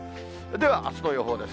では、あすの予報です。